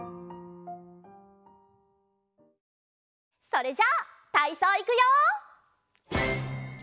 それじゃたいそういくよ！